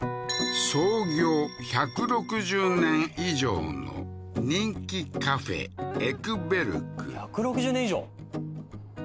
創業１６０年以上の人気カフェエクベルグ１６０年以上？